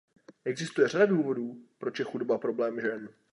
Existuje řada důvodů, proč je chudoba problém žen.